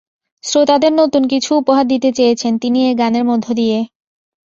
শ্রোতাদের নতুন কিছু উপহার দিতে চেয়েছেন তিনি এ গানের মধ্য দিয়ে।